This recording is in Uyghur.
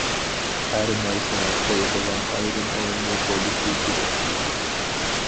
ھەر نەرسىنىڭ قويىدىغان ئايرىم ئورنى بولۇشى كېرەك.